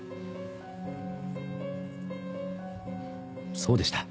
そうでした。